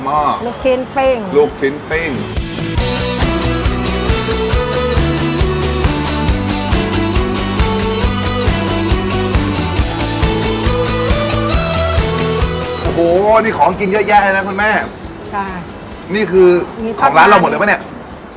โอ้โหนี่ของกินเยอะแยะเลยนะคุณแม่ค่ะนี่คือของร้านเราหมดเลยปะเนี่ย